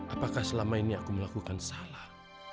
apakah selama ini aku melakukan salah